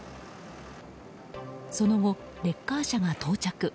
その後、レッカー車が到着。